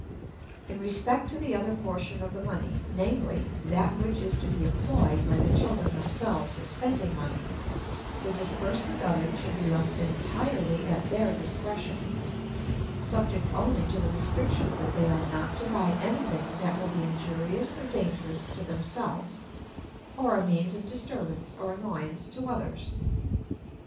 In respect to the other portion of the money namely, that which is to be employed by the children themselves as spending money, the disbursement of it should be left entirely at their discretion, subject only to the restriction that they are not to buy any thing that will be injurious or dangerous to themselves, or a means of disturbance or annoyance to others.